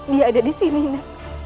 dia ada di sini nak